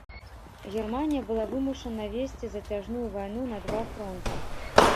Германія была вымушана весці зацяжную вайну на два фронту.